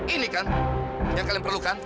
ini kan yang kalian perlukan